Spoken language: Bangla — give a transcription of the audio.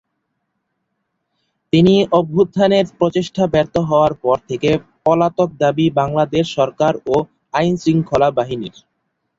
তিনি অভ্যুত্থানের প্রচেষ্টা ব্যর্থ হওয়ার পর থেকে পলাতক দাবি বাংলাদেশ সরকার ও আইনশৃঙ্খলা বাহিনীর।